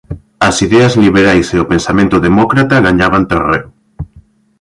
As ideas liberais e o pensamento demócrata gañaban terreo.